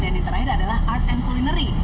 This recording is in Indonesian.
dan yang terakhir adalah art and culinary